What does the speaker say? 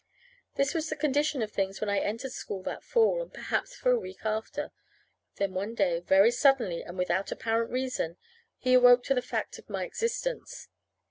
This was the condition of things when I entered school that fall, and perhaps for a week thereafter. Then one day, very suddenly, and without apparent reason, he awoke to the fact of my existence.